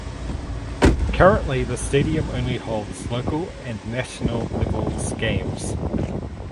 Currently the stadium only holds local and national levels games.